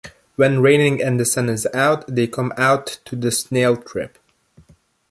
When raining and the sun is out, they come out to the snail trip.